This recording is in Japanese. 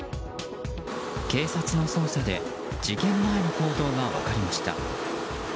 警察の捜査で事件前の行動が分かりました。